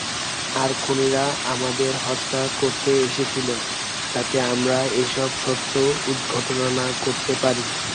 আর খুনিরা আমাদের হত্যা করতে এসেছিল যাতে আমরা এসব সত্য উদঘাটন না করতে পারি।